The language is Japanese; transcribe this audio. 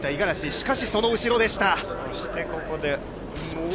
しかし、その後ろでした。